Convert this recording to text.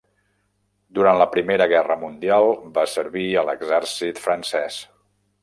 Durant la Primera Guerra Mundial va servir a l'exèrcit francès.